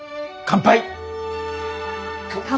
乾杯！